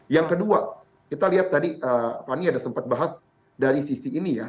yang kedua kita lihat tadi fani ada sempat bahas dari sisi ini ya